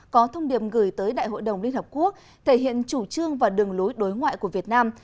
có thông điệp gửi tới đại hội đồng liên hợp quốc thể hiện chủ trương và đường lối đối ngoại của việt nam